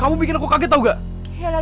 aku bisa kok jaga diri aku sendiri